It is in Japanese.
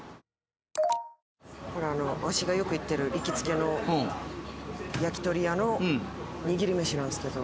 これわしがよく行ってる行きつけの焼鳥屋の握り飯なんすけど。